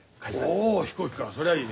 おお飛行機かそりゃいい。